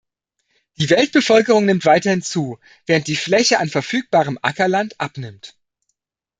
Die Weltbevölkerung nimmt weiterhin zu, während die Fläche an verfügbarem Ackerland abnimmt.